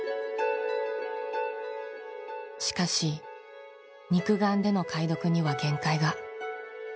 しかし肉眼での解読には限界が。